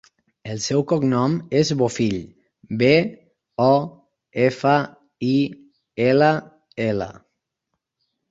El seu cognom és Bofill: be, o, efa, i, ela, ela.